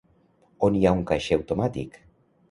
On hi ha un caixer automàtic?